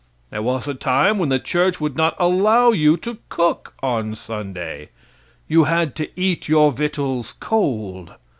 There was a time when the church would not allow you to cook on Sunday. You had to eat your victuals cold.